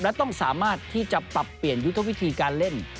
และต้องสามารถที่จะปรับเปลี่ยนยุทธวิธีการเล่น